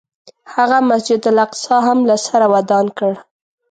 هغه مسجد الاقصی هم له سره ودان کړ.